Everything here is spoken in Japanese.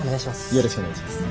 よろしくお願いします。